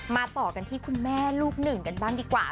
ต่อกันที่คุณแม่ลูกหนึ่งกันบ้างดีกว่า